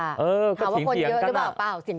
ถามว่าคนเยอะหรือเปล่าเปล่า